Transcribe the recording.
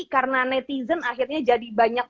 karena netizen akhirnya jadi banyak